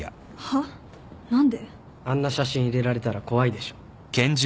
あんな写真入れられたら怖いでしょ。